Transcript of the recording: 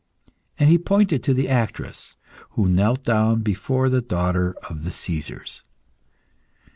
And he pointed to the actress, who knelt down before the daughter of the Caesars.